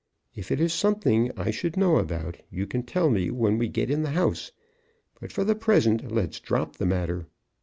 If it is something I should know about, you can tell me when we get in the house. But, for the present, let's drop the matter.